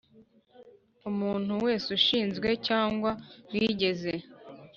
umuntu wese ushinzwe cyangwa wigeze